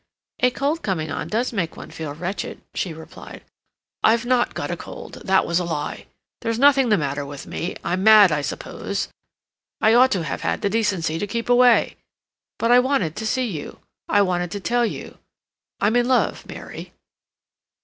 "A cold coming on does make one feel wretched," she replied. "I've not got a cold. That was a lie. There's nothing the matter with me. I'm mad, I suppose. I ought to have had the decency to keep away. But I wanted to see you—I wanted to tell you—I'm in love, Mary."